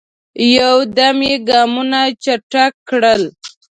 یو دم یې ګامونه چټک کړل.